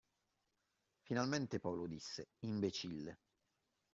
Finalmente Paolo disse: Imbecille!